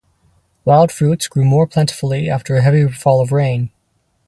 Wild fruits grow more plentifully after a heavy fall of rain.